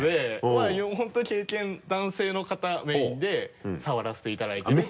まぁ本当男性の方メインで触らせていただいてる。